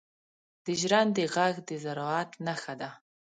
• د ژرندې ږغ د زراعت نښه ده.